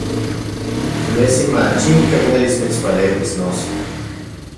Nesi machikaj uelis mitspaleuis, noso.